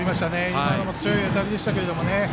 今のも強い当たりでしたけど。